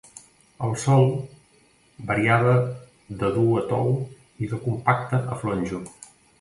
El sòl variava de dur a tou i de compacte a flonjo.